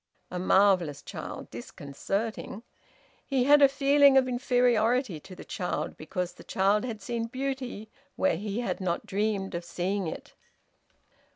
A marvellous child disconcerting! He had a feeling of inferiority to the child, because the child had seen beauty where he had not dreamed of seeing it.